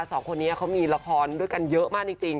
สองคนนี้เขามีละครด้วยกันเยอะมากจริง